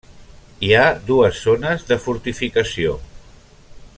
Hi ha dues zones de fortificació.